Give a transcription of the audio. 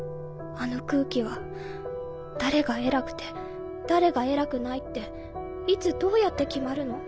あの空気は誰がえらくて誰がえらくないっていつどうやって決まるの？